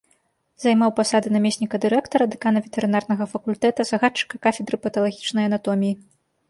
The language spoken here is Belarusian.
Займаў пасады намесніка дырэктара, дэкана ветэрынарнага факультэта, загадчыка кафедры паталагічнай анатоміі.